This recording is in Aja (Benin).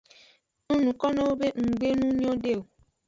Ng nukonowo be nggbe nu nyode o.